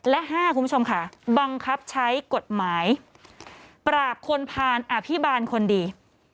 และ๕บังคับใช้กฎหมายปราบคนผ่านอภิบาลคนดี